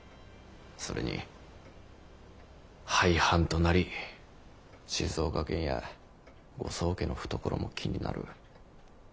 それに廃藩となり静岡県やご宗家の懐も気になる。